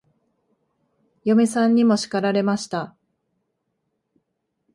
嫁さんにも叱られました。